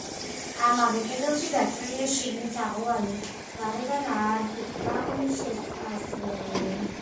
ამავე კედელში გაჭრილია შიგნით თაღოვანი, გარედან არქიტრავული შესასვლელი.